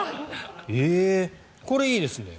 これいいですね。